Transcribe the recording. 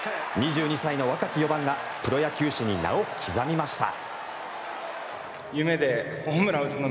２２歳の若き４番がプロ野球史に名を刻みました。